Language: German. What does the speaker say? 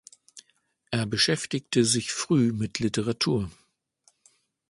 Er beschäftigte sich früh mit Literatur.